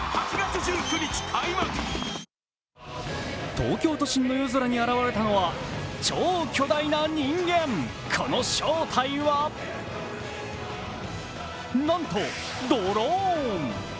東京都心の夜空に現れたのは超巨大な人間、この正体は、なんとドローン。